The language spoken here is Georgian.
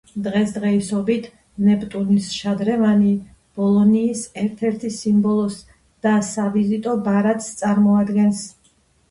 დღესდღეობით ნეპტუნის შადრევანი, ბოლონიის ერთ-ერთ სიმბოლოს და სავიზიტო ბარათს წარმოადგენს.